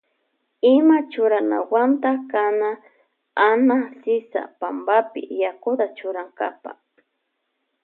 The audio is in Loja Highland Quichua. Ima churanawanta kana Ana sisa pampapi yakuta churankapa.